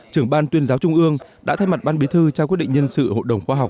trưởng ban tuyên giáo trung ương đã thay mặt ban bí thư trao quyết định nhân sự hội đồng khoa học